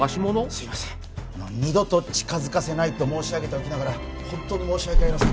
すいません二度と近づかせないと申し上げておきながら本当に申し訳ありません